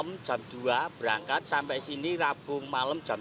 dari solo itu sabtu malam jam dua berangkat sampai sini rabung malam jam dua